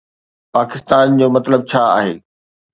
پاڪستان جو مطلب ڇا آھي؟